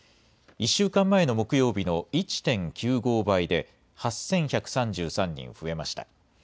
１週間前の木曜日の１．９５倍で、８１３３人増えました。